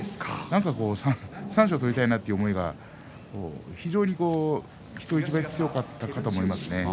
三賞を取りたいなという思いが非常に人一倍強かったと思いますね。